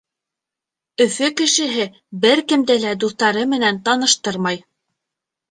Өфө кешеһе бер кемде лә дуҫтары менән таныштырмай.